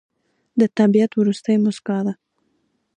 د طبیعت وروستی موسکا ده